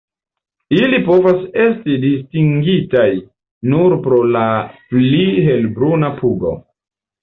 Ili povas esti distingitaj nur pro la pli helbruna pugo.